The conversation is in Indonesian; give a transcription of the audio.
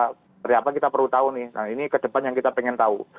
apa yang kita perlu tahu nih nah ini kedepan yang kita pengen tahu